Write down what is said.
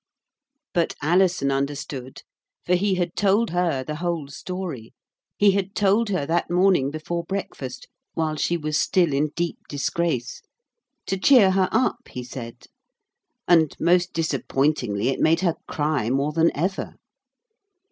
But Alison understood, for he had told her the whole story. He had told her that morning before breakfast while she was still in deep disgrace; to cheer her up, he said. And, most disappointingly, it made her cry more than ever.